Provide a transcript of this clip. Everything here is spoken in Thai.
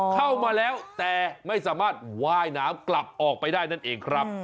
เข้ามาแล้วแต่ไม่สามารถว่ายน้ำกลับออกไปได้นั่นเองครับ